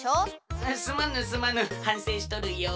すまぬすまぬはんせいしとるよ。